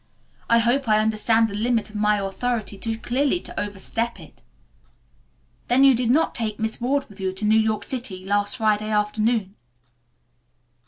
I hope I understand the limit of my authority too clearly to overstep it." "Then you did not take Miss Ward with you to New York City last Friday afternoon?"